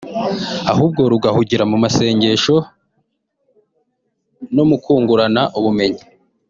ahubwo rugahugira mu masengesho no kungurana ubumenyi”